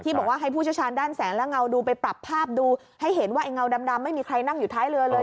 บอกว่าให้ผู้เชี่ยวชาญด้านแสงและเงาดูไปปรับภาพดูให้เห็นว่าไอ้เงาดำไม่มีใครนั่งอยู่ท้ายเรือเลย